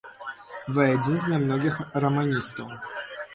Вы адзін з нямногіх раманістаў.